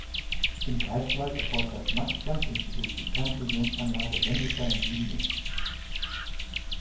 In Greifswald erforscht das Max-Planck-Institut die Kernfusionsanlage Wendelstein sieben-X.